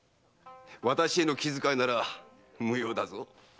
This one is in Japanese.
私への気遣いなら無用だぞ。